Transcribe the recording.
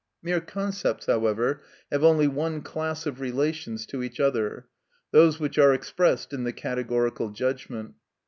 Mere concepts, however, have only one class of relations to each other, those which are expressed in the categorical judgment.